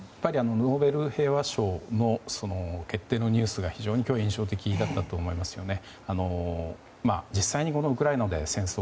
ノーベル平和賞の決定のニュースが非常に今日印象的だったと思いますよね。